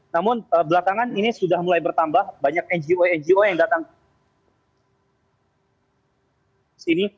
namun belakangan ini sudah mulai bertambah banyak ngo ngo yang datang ke sini